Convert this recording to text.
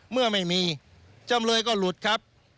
เมื่อไม่มีจำเลยก็หลุดครับ